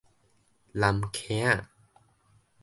湳坑仔